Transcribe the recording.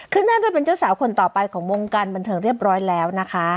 หน้าด้วยเป็นเจ้าสาวคนต่อไปของวงการบันเทิงเรียบร้อยแล้วนะคะ